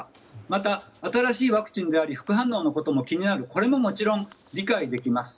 また、新しいワクチンであり副反応のことも気になるこれももちろん理解できます。